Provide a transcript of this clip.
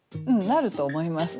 なると思いますね。